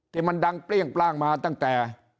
ที่มันดังเปรี้ยงปร่างมาตั้งแต่